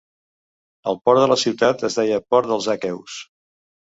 El port de la ciutat es deia Port dels Aqueus.